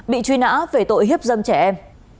bị truy nã về tội hiếp dâm trẻ em